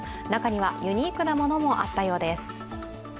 中にはユニークなものもあったようです。